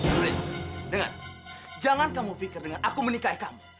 dengar jangan kamu pikir dengan aku menikahi kamu